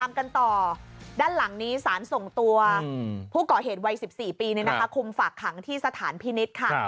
กันต่อด้านหลังนี้สารส่งตัวผู้ก่อเหตุวัย๑๔ปีคุมฝากขังที่สถานพินิษฐ์ค่ะ